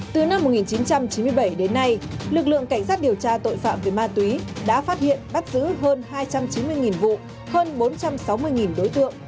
từ năm một nghìn chín trăm chín mươi bảy đến nay lực lượng cảnh sát điều tra tội phạm về ma túy đã phát hiện bắt giữ hơn hai trăm chín mươi vụ hơn bốn trăm sáu mươi đối tượng